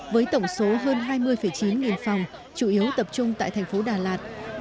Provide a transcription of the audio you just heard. với tổng số hơn hai mươi chín nghìn phòng chủ yếu tập trung tại thành phố đà lạt